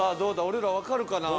俺らわかるかな？